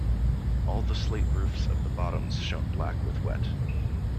All the slate roofs of the Bottoms shone black with wet.